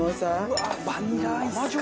うわーバニラアイスか！